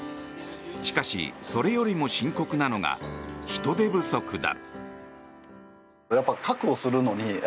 しかし、それよりも深刻なのが人手不足だ。